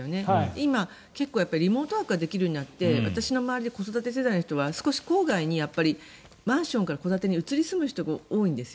今、結構リモートワークができるようになって私の周りで子育て世代の人は郊外にマンションから戸建てに移り住む人が多いんですよ。